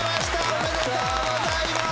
おめでとうございます！